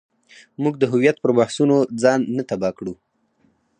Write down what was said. موږ د هویت پر بحثونو ځان نه تباه کړو.